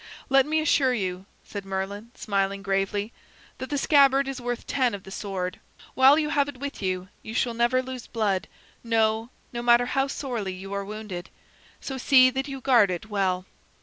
"Let me assure you," said Merlin, smiling gravely, "that the scabbard is worth ten of the sword. While you have it with you you shall never lose blood, no, no matter how sorely you are wounded. So see that you guard it well."